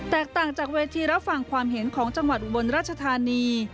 ต่างจากเวทีรับฟังความเห็นของจังหวัดอุบลราชธานี